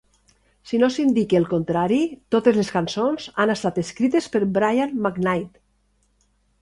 Si no s'indica el contrari, totes les cançons han estat escrites per Brian McKnight.